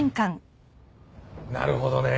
なるほどね。